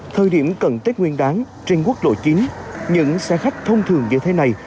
thời điểm cận tết nguyên đáng trên quốc lộ chín những xe khách thông thường như thế này